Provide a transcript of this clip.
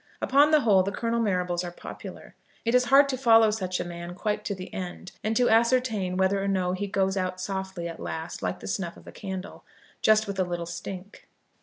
Upon the whole the Colonel Marrables are popular. It is hard to follow such a man quite to the end and to ascertain whether or no he does go out softly at last, like the snuff of a candle, just with a little stink.